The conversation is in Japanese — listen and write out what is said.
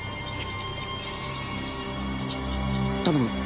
頼む。